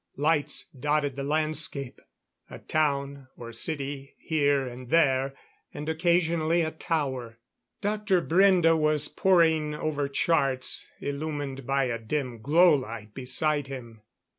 Lights dotted the landscape a town or city here and there, and occasionally a tower. Dr. Brende was poring over charts, illumined by a dim glow light beside him.